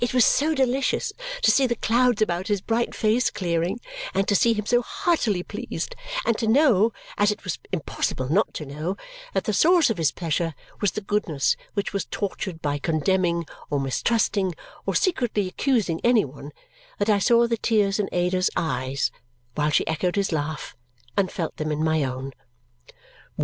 It was so delicious to see the clouds about his bright face clearing, and to see him so heartily pleased, and to know, as it was impossible not to know, that the source of his pleasure was the goodness which was tortured by condemning, or mistrusting, or secretly accusing any one, that I saw the tears in Ada's eyes, while she echoed his laugh, and felt them in my own.